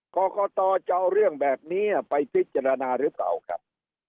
กรกตจะเอาเรื่องแบบนี้ไปพิจารณาหรือเปล่าครับ